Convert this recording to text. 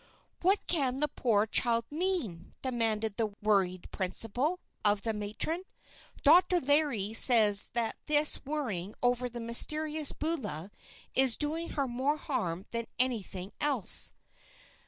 "What can the poor child mean?" demanded the worried principal, of the matron. "Dr. Larry says that this worrying over the mysterious 'Beulah' is doing her more harm than anything else."